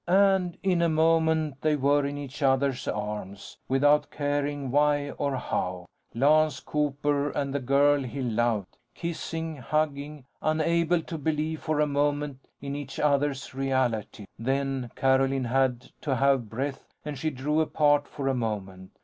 And in a moment, they were in each other's arms without caring why or how: Lance Cooper and the girl he loved. Kissing, hugging, unable to believe for a moment in each other's reality. Then, Carolyn had to have breath and she drew apart for a moment.